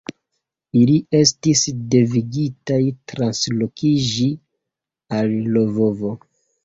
Ili estis devigitaj translokiĝi al Lvovo.